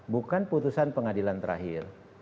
bukan putusan pengadilan terakhir